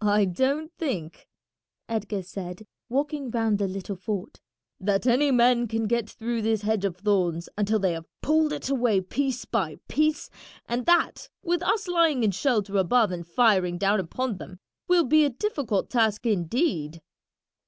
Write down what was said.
"I don't think," Edgar said, walking round the little fort, "that any men can get through this hedge of thorns until they have pulled it away piece by piece, and that, with us lying in shelter above and firing down upon them, will be a difficult task indeed."